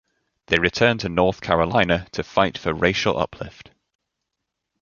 They return to North Carolina to fight for racial uplift.